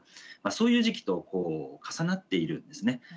そういう時期と重なっているんですね。